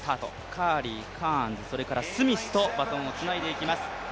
カーリー、カーン、そしてスミスとバトンをつないでいきます。